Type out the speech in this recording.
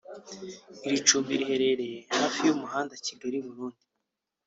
Iri cumbi riherereye hafi y’umuhanda Kigali-Burundi